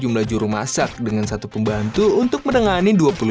perusahaan menghasilkan keuntungan untuk membangunan mukamak yang kami tahu adalah